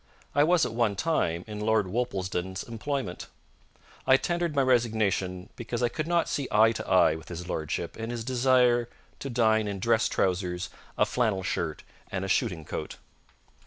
I was at one time in Lord Worplesdon's employment. I tendered my resignation because I could not see eye to eye with his lordship in his desire to dine in dress trousers, a flannel shirt, and a shooting coat."